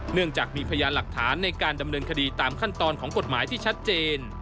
เนื่องจากมีพยานหลักฐานในการดำเนินคดีตามขั้นตอนของกฎหมายที่ชัดเจน